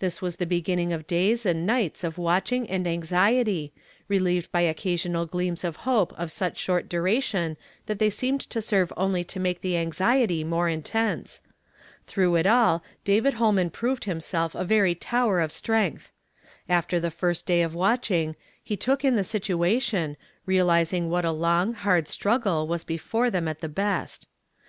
This was the beginning of days and niglits of watching and anxiety, relieved by occasional gleams of hope of such short dui ation that they seemed to serve oidy to make the anxiety more intense. Tlirough it nil David llolman proved himself a very tower of streiigtli. After the firet 150 YESTERDAY FRAMED IN TO DAY. day of watching, he took in the situation, realizing wliat a long , liurd struggle was before them at the best.